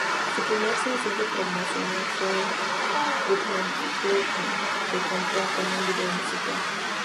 Su primer sencillo promocional fue "Bubblegum", que contó con un video musical.